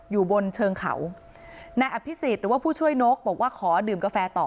อยู่บนเชิงเขานายอภิษฎหรือว่าผู้ช่วยนกบอกว่าขอดื่มกาแฟต่อ